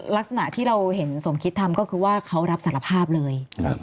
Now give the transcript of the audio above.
ลักษณะที่เราเห็นสมคิดทำก็คือว่าเขารับสารภาพเลย